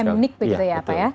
lkm nik begitu ya pak ya